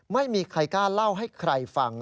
ไม่มีใครกล้าเล่าให้ใครฟัง